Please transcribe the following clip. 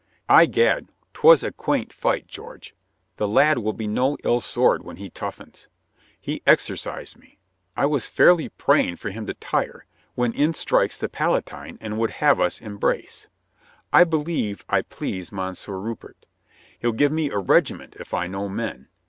"I'gad, 'twas a quaint fight, George. The Lad will be no ill sword when he toughens. He exercised me. I was fairly praying for him to tire, when in strikes the Palatine and 124 COLONEL GREATHEART would have us embrace. I believe I pleased Mon sieur Rupert. He'll give me a regiment if I know men.